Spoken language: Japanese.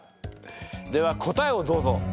では答えをどうぞ。